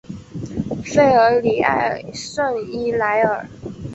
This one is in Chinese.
弗尔里埃圣伊莱尔。